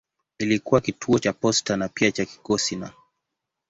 Ilikuwa kituo cha posta na pia cha kikosi na.